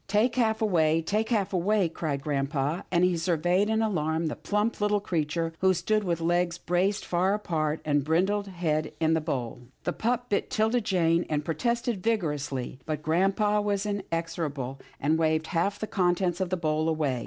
" Take half away — take half away," cried grampa, and he surveyed in alarm the plump, little creature, who stood with legs braced far apart and his brindled head in the bowl. The pup bit 'Tilda Jane, and protested vigor ously, but grampa was inexorable, and waved half the contents of the bowl away.